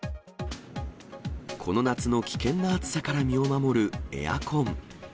この夏の危険な暑さから身を守るエアコン。